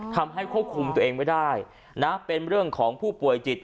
ทำให้ควบคุมตัวเองไม่ได้นะเป็นเรื่องของผู้ป่วยจิต